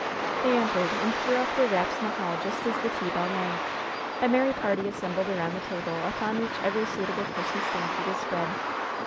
They entered, and threw off their wraps in the hall, just as the tea bell rang. A merry party assembled around the table, upon which every suitable Christmas dainty was spread.